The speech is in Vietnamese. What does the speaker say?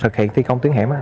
thực hiện thi công tuyến hẻm